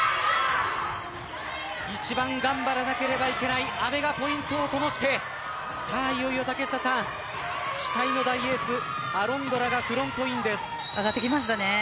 一番頑張らなければいけない阿部がポイントを灯していよいよ期待の大エース・アロンドラがフロントインです。